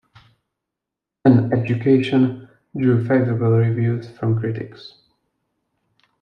"An Education" drew favorable reviews from critics.